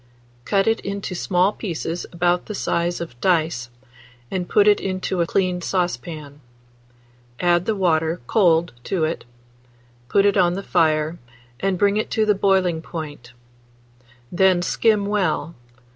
Cut it into small pieces about the size of dice, and put it into a clean saucepan. Add the water cold to it; put it on the fire, and bring it to the boiling point; then skim well.